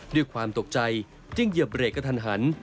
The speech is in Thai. ด้วยความตกใจจึงเหยียบเบรกกระทันหัน